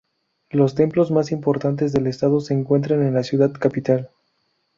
Los Templos más importantes del estado se encuentran en la ciudad capital.